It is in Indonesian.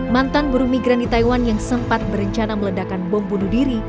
mantan buruh migran di taiwan yang sempat berencana meledakan bom bunuh diri